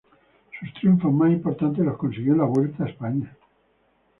Sus triunfos más importantes los consiguió en la Vuelta a España.